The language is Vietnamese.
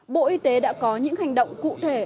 bộ y tế đã có những hành động cụ thể